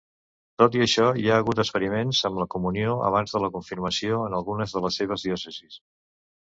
Tot i això, hi ha hagut experiments amb la comunió abans de la confirmació en algunes de les seves diòcesis.